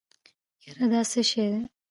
يره دا څه شی و.